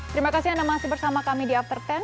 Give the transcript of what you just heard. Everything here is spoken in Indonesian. terima kasih anda masih bersama kami di after sepuluh